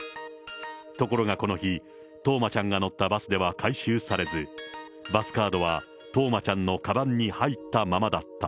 ところがこの日、冬生ちゃんが乗ったバスでは回収されず、バスカードは冬生ちゃんのかばんに入ったままだった。